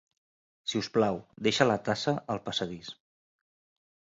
Si us plau, deixa la tassa al passadís.